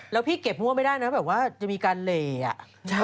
แล้วพี่เก็บมั่วไม่ได้นะจะมีการเหล่ะ